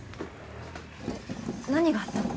何があったの？